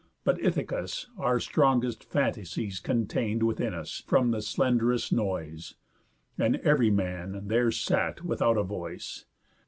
But Ithacus our strongest phantasies Contain'd within us from the slenderest noise, And ev'ry man there sat without a voice.